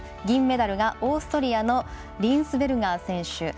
銀メダルがオーストリアのリーンスベルガー選手。